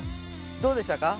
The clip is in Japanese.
どうでしたか？